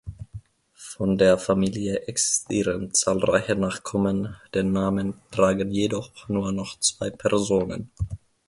Von der Familie existieren zahlreiche Nachkommen, den Namen tragen jedoch nur noch zwei Personen.